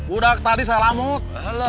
udah tadi saya lamut